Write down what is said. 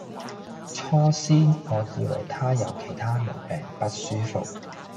初先我以為她有其他毛病不舒服